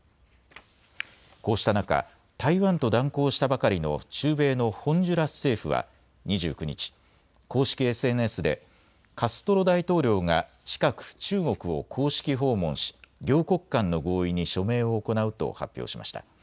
こうした中、台湾と断交したばかりの中米のホンジュラス政府は２９日、公式ＳＮＳでカストロ大統領が近く中国を公式訪問し両国間の合意に署名を行うと発表しました。